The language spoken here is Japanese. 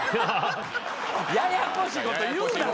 ややこしいこと言うな。